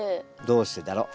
どうしてだろ？